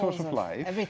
air adalah sumber hidup